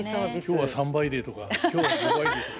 今日は３倍デーとか今日は５倍デーとか。